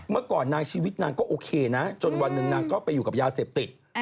เมื่อก่อนนางชีวิตนางก็โอเคนะจนวันหนึ่งนางก็ไปอยู่กับยาเสพติด